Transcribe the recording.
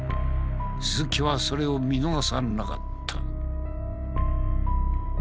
鈴木はそれを見逃さなかった。